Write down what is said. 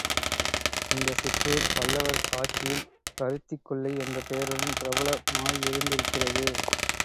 இந்தச் சிற்றூர் பல்லவர் ஆட்சியில் பருத்திக் கொல்லை என்ற பெயருடன் பிரபல மாயிருந்திருக்கிறது.